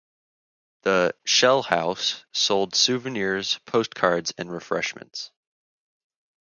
The "shell house" sold souvenirs, postcards and refreshments.